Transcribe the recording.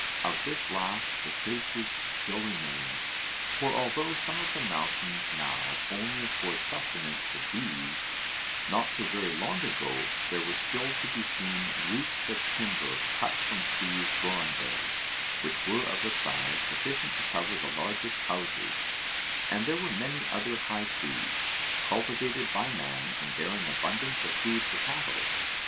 Of this last the traces still remain, for although some of the mountains now only afford sustenance to bees, not so very long ago there were still to be seen roofs of timber cut from trees growing there, which were of a size sufficient to cover the largest houses; and there were many other high trees, cultivated by man and bearing abundance of food for cattle.